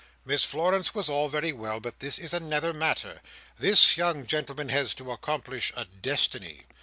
"Miss Florence was all very well, but this is another matter. This young gentleman has to accomplish a destiny.